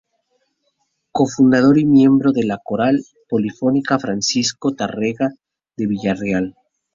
Cofundador y miembro de la Coral Polifónica Francisco Tárrega de Villarreal.